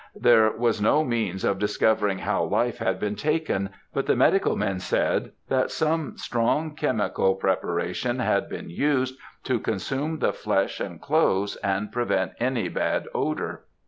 There was no means of discovering how life had been taken, but the medical men said that some strong chemical preparation had been used to consume the flesh and clothes, and prevent any bad odour.